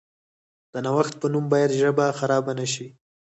د نوښت په نوم باید ژبه خرابه نشي.